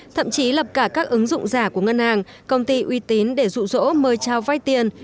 thậm chí lập cả các ứng dụng giả của ngân hàng công ty uy tín để rụ rỗ mời trao vay tiền